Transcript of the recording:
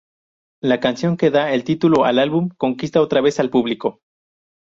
La canción que da el título al álbum conquista otra vez al público.